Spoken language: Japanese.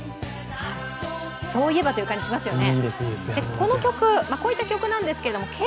そういえばという感じがしますよね。